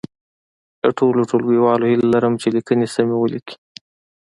له ټولو لیکوالو هیله لرم چي لیکنې سمی ولیکي